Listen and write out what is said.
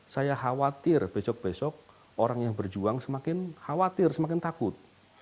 saya khawatir besok besok orang yang berjuang semakin khawatir semakin takut